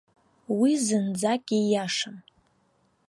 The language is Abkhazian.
Уи зынӡак ииашам.